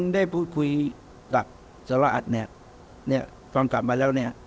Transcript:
แต่ผมได้คุยกับศรษฐ์ฟังกลับมาแล้วเนี่ย